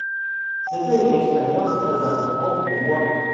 C'était une expérience très importante pour moi.